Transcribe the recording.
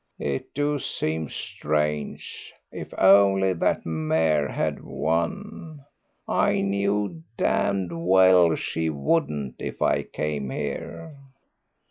It do seem strange. If only that mare had won. I knew damned well she wouldn't if I came here."